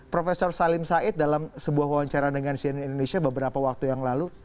profesor salim said dalam sebuah wawancara dengan cnn indonesia beberapa waktu yang lalu